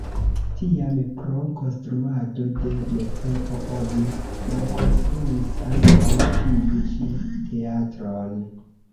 Tiam pro konstruado de metroo oni malkonstruis ankaŭ tiu ĉi teatron.